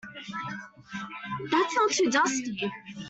That's not too dusty.